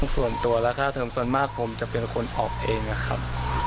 ส่วนตัวและค่าเทิมส่วนมากผมจะเป็นคนออกเองนะครับ